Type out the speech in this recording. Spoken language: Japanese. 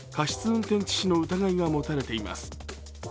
運転致死の疑いが持たれています。